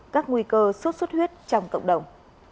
các nguy cơ xuất xuất huyết trong cộng đồng